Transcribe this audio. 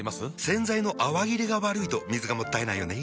洗剤の泡切れが悪いと水がもったいないよね。